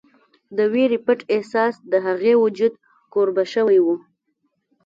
د وېرې پټ احساس د هغې وجود کوربه شوی و